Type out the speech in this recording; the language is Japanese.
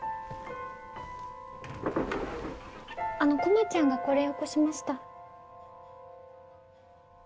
あの駒ちゃんがこれよこしました。